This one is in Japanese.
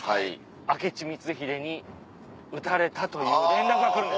明智光秀に討たれたという連絡が来るんです。